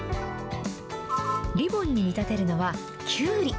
リボンに見立てるのはキュウリ。